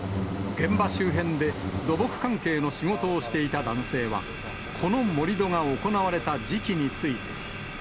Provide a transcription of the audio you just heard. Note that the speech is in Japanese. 現場周辺で土木関係の仕事をしていた男性は、この盛り土が行われた時期について。